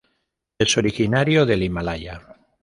Es originaria del Himalaya.